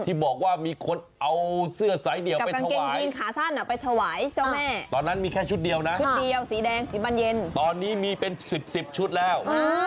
ที่บอกว่ามีคนเอาเสื้อสายเดี่ยวไปถวายตอนนั้นมีแค่ชุดเดียวนะตอนนี้มีเป็นสิบชุดแล้ว